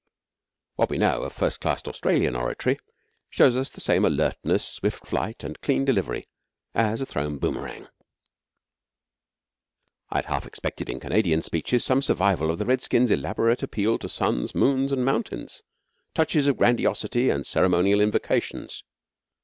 What we know of first class Australian oratory shows us the same alertness, swift flight, and clean delivery as a thrown boomerang. I had half expected in Canadian speeches some survival of the Redskin's elaborate appeal to Suns, Moons, and Mountains touches of grandiosity and ceremonial invocations.